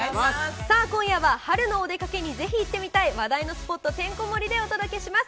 さあ、今夜は春のお出かけにぜひ行ってみたい話題のスポットてんこ盛りでお届けします。